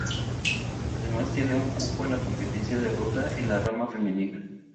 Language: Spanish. Además tiene un cupo en la competencia de Ruta en la rama femenina.